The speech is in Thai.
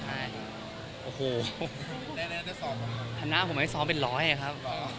อะไรครับ